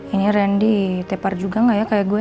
ini randy tepar juga nggak ya kayak gue